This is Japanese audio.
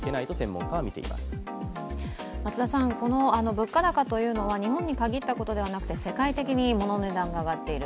物価高というのは日本に限ったことではなくて、世界的に物の値段が上がっている。